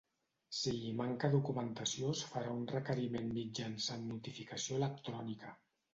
Si hi manca documentació es farà un requeriment mitjançant notificació electrònica.